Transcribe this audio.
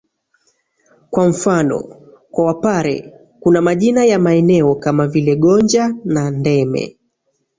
Kwa mfano kwa Wapare kuna majina ya maeneo kama vile Gonja na Ndeme